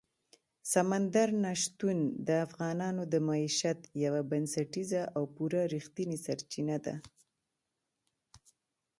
سمندر نه شتون د افغانانو د معیشت یوه بنسټیزه او پوره رښتینې سرچینه ده.